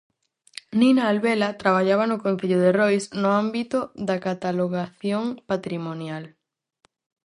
Nina Alvela traballaba no concello de Rois no ámbito da catalogación patrimonial.